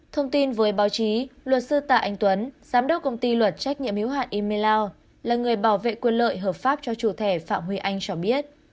thông tin với báo chí luật sư tạ anh tuấn giám đốc công ty luật trách nhiệm hiếu hạn emaillau là người bảo vệ quyền lợi hợp pháp cho chủ thể phạm huy anh cho biết